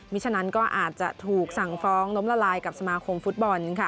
ฉะนั้นก็อาจจะถูกสั่งฟ้องล้มละลายกับสมาคมฟุตบอลค่ะ